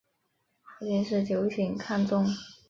父亲是酒井康忠。